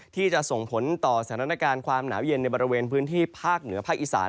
ที่จะส่งผลต่อสถานการณ์ความหนาวเย็นในบริเวณพื้นที่ภาคเหนือภาคอีสาน